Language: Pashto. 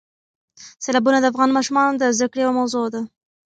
سیلابونه د افغان ماشومانو د زده کړې یوه موضوع ده.